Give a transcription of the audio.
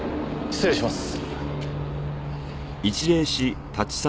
失礼します。